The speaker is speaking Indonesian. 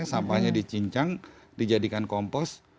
sampahnya dicincang dijadikan kompos